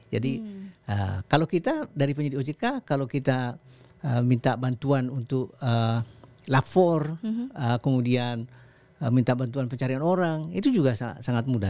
jadi kalau kita dari penyidikan ojk kalau kita minta bantuan untuk lapor kemudian minta bantuan pencarian orang itu juga sangat mudah